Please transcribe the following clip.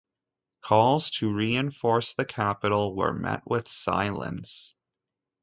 Calls to reinforce the capital were met with silence.